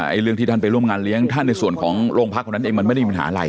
เรื่องที่ท่านไปร่วมงานเลี้ยงท่านในส่วนของโรงพักคนนั้นเองมันไม่ได้มีปัญหาอะไร